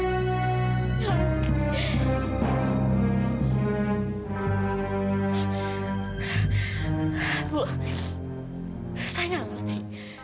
ibu saya gak ngerti